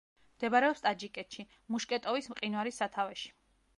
მდებარეობს ტაჯიკეთში, მუშკეტოვის მყინვარის სათავეში.